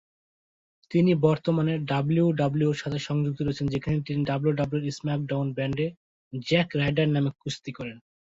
তিনি বর্তমানে ডাব্লিউডাব্লিউইর সাথে সংযুক্ত রয়েছেন, যেখানে তিনি ডাব্লিউডাব্লিউই স্ম্যাকডাউন ব্র্যান্ডে জ্যাক রাইডার নামে কুস্তি করেন।